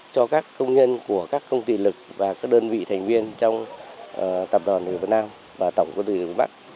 cho các công nhân của các công ty lực và các đơn vị thành viên trong tập đoàn điều việt nam và tổng quân tử điều việt bắc